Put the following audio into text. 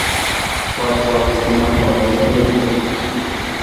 পরেশবাবুর স্ত্রীর নাম বরদাসুন্দরী।